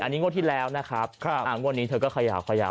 อันนี้งวดที่แล้วนะครับงวดนี้เธอก็เขย่า